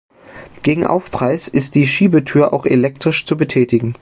Gegen Aufpreis ist die Schiebetür auch elektrisch zu betätigen.